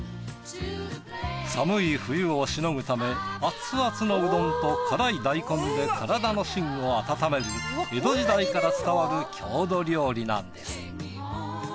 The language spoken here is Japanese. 寒い冬をしのぐためアツアツのうどんと辛い大根で体の芯を温める江戸時代から伝わる郷土料理なんです。